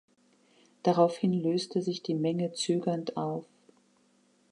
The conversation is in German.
Daraufhin löste sich die Menge zögernd auf.